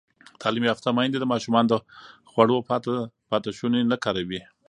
تعلیم یافته میندې د ماشومانو د خوړو پاتې شوني نه کاروي.